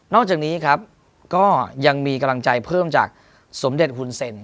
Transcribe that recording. อกจากนี้ครับก็ยังมีกำลังใจเพิ่มจากสมเด็จหุ่นเซ็น